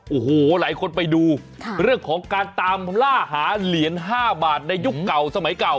โอ้โหหลายคนไปดูเรื่องของการตามล่าหาเหรียญ๕บาทในยุคเก่าสมัยเก่า